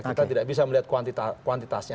kita tidak bisa melihat kuantitasnya